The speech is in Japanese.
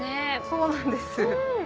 そうなんです。